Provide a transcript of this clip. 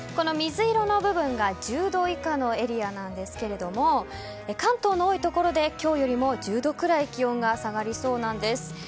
水色の部分が１０度以下のエリアなんですけれども関東の多いところで今日よりも１０度くらい気温が下がりそうなんです。